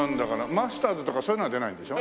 マスターズとかそういうのは出ないんでしょ？